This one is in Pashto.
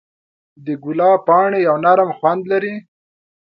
د ګلاب پاڼې یو نرم خوند لري.